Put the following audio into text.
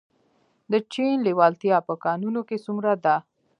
د چین لیوالتیا په کانونو کې څومره ده؟